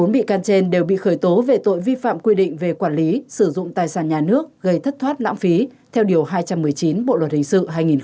bốn bị can trên đều bị khởi tố về tội vi phạm quy định về quản lý sử dụng tài sản nhà nước gây thất thoát lãng phí theo điều hai trăm một mươi chín bộ luật hình sự hai nghìn một mươi năm